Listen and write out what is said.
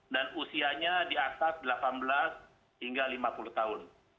dan usianya di asas delapan belas hingga lima puluh tahun